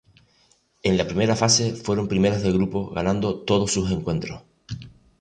En la primera fase fueron primeras de grupo ganando todos sus encuentros.